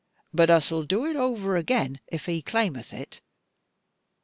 But us'll do it over again, if he claimeth it.